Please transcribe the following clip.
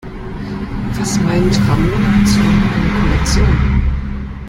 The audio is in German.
Was meint Ramona zur neuen Kollektion?